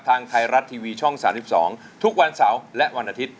ทางไทยรัดทีวีช่องสามสิบสองทุกวันเสาร์และวันอาทิตย์